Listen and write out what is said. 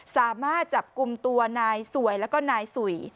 สามารถจับกลุ่มตัวนายสวยแล้วก็นายสุย